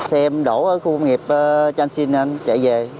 xe em đổ ở khu công nghiệp chanh sinh anh chạy về